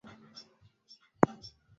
umebisha hodi jijini portal prince